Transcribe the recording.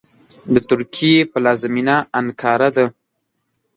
د ترکیې پلازمېنه انکارا ده .